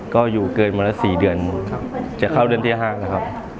ก็อยู่เกินมาละสี่เดือนจะเข้าเดือนที่ห้างแล้วครับ